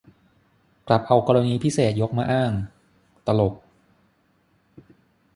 กลับเอากรณีพิเศษยกมาอ้าง ตลก